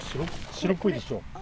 白っぽいでしょ。